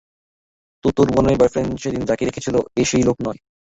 তো তোর বোনের বয়ফ্রেন্ড সেদিন যাকে দেখেছিলো এ সেই লোক নয়।